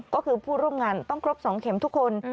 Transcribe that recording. ก็คือผู้ร่วมงานต้องครบ๒เข็มทุกคน